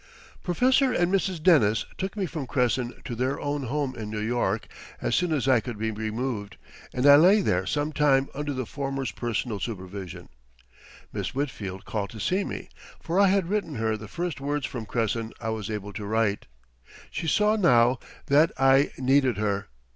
Professor and Mrs. Dennis took me from Cresson to their own home in New York, as soon as I could be removed, and I lay there some time under the former's personal supervision. Miss Whitfield called to see me, for I had written her the first words from Cresson I was able to write. She saw now that I needed her.